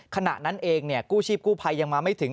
ขณะนั้นเองกู้ชีพกู้ภัยยังมาไม่ถึง